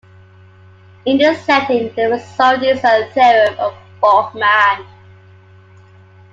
In this setting the result is a theorem of Bargmann.